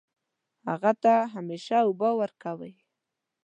هغه ته همیشه اوبه ورکوئ